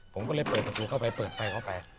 ผมก็เลยเปิดประตูเข้าไปเปิดไฟเข้าไป